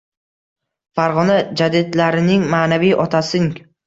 Farg‘ona jadidlarining ma’naviy otasing